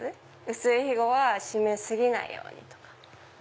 薄いひごは締め過ぎないように。